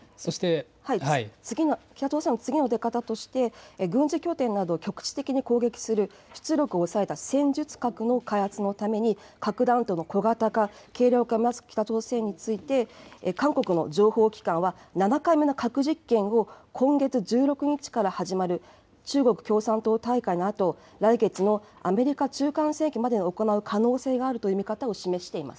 北朝鮮の次の出方として、軍事拠点など、局地的に攻撃する、出力を抑えた戦術核の開発のために核弾頭の小型化、軽量化などについて韓国の情報機関は、７回目の核実験を今月１６日から始まる中国共産党大会のあと、来月のアメリカ中間選挙までに行う可能性があるという見方を示し